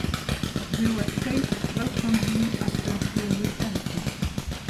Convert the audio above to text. They were said to welcome him after he repented.